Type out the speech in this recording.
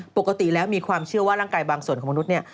ปกติแล้วมีความเชื่อว่าร่างกายบางส่วนของมนุษย์เนี่ย